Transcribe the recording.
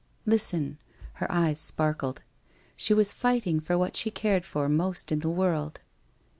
Listen.' Her eyes sparkled. She was fighting for what she cared for most in the world.